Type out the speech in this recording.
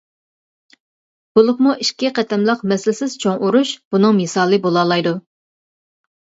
بولۇپمۇ ئىككى قېتىملىق مىسلىسىز چوڭ ئۇرۇش بۇنىڭ مىسالى بولالايدۇ.